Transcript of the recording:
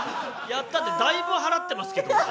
「やった」ってだいぶ払ってますけどね。